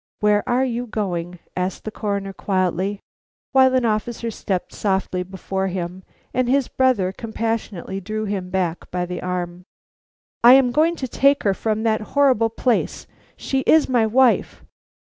"Where are you going?" asked the Coroner, quietly, while an officer stepped softly before him, and his brother compassionately drew him back by the arm. "I am going to take her from that horrible place; she is my wife.